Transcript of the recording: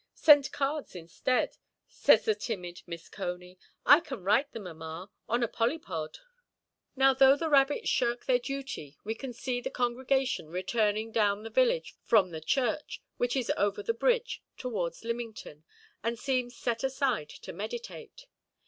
"Send cards instead", says the timid Miss Cony; "I can write them, mamma, on a polypod". Now though the rabbits shirk their duty, we can see the congregation returning down the village from the church, which is over the bridge, towards Lymington, and seems set aside to meditate.